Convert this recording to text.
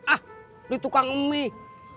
ah di tukang mie